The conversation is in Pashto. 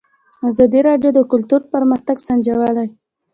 ازادي راډیو د کلتور پرمختګ سنجولی.